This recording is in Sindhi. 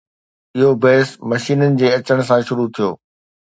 اهو بحث مشينن جي اچڻ سان شروع ٿيو.